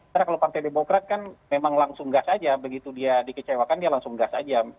karena kalau partai demokrat kan memang langsung gas aja begitu dia dikecewakan dia langsung gas aja